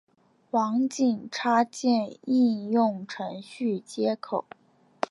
网景插件应用程序接口。